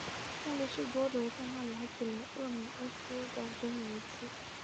亚里士多德在那里还娶了赫米阿斯的侄女为妻。